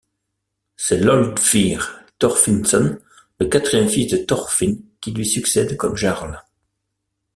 C'est Hlodvir Thorfinnsson le quatrième fils de Thorfinn qui lui succède comme Jarl.